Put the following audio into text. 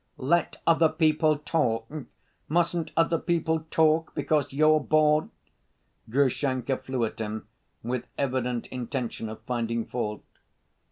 Let other people talk. Mustn't other people talk because you're bored?" Grushenka flew at him with evident intention of finding fault.